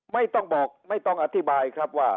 ไม่ต้องบอกไม่ต้องอธิบายครับว่า